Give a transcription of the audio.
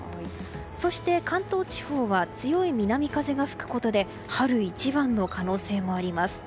そして、関東地方は強い南風が吹くことで春一番の可能性もあります。